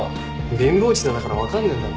貧乏舌だから分かんねえんだろ。